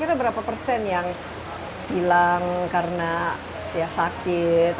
kira kira berapa persen yang hilang karena ya sakit